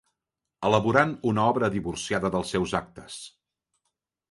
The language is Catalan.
Elaborant una obra divorciada dels seus actes